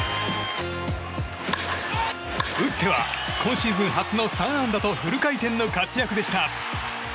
打っては今シーズン初の３安打とフル回転の活躍でした。